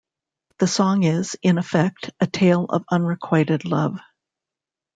The song is, in effect, a tale of unrequited love.